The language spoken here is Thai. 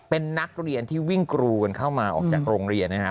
เป็นนักเรียนที่วิ่งกรูกันเข้ามาออกจากโรงเรียนนะฮะ